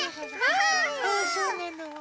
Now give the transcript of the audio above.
そうなの？